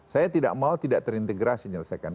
saya tidak mau tidak terintegrasi menyelesaikan